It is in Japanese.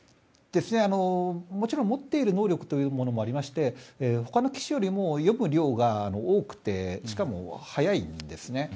もちろん持っている能力というのもありまして他の棋士よりも読む量が多くてしかも速いんですね。